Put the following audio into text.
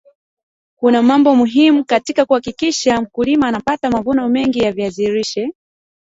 kuna mambo muhimu katika kuhakikisha mmkulima anapata mavuno mengi ya viazi lishe